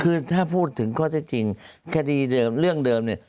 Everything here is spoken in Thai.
คือถ้าพูดถึงข้อเท็จจริงคดีเรื่องเดิมเนี่ย